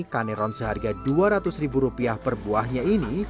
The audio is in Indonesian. kaneron seharga dua ratus ribu rupiah per buahnya ini